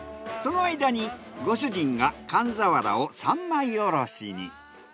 その間にご主人が寒ザワラを３枚下ろしに。